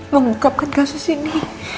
mengungkapkan kasus ini